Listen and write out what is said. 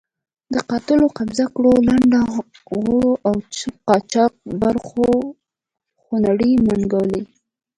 د قاتلو، قبضه ګرو، لنډه غرو او قاچاق برو خونړۍ منګولې.